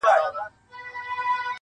نه په صرفو نه په نحو دي پوهېږم-